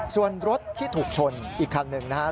ส่วนรถที่ถูกชนอีกคันหนึ่งนะฮะ